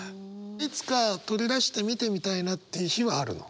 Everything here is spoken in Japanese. いつか取り出して見てみたいなって日はあるの？